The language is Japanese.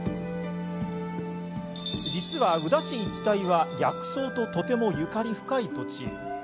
実は宇陀市一帯は薬草と、とても縁の深い土地。